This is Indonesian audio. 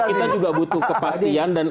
kita juga butuh kepastian dan